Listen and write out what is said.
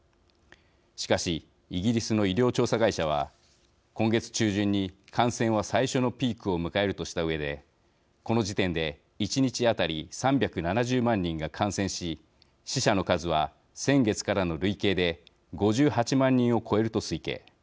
しかし、イギリスの医療調査会社は、今月中旬に感染は最初のピークを迎えるとしたうえでこの時点で１日当たり３７０万人が感染し死者の数は先月からの累計で５８万人を超えると推計。